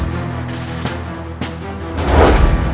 menituar di dalam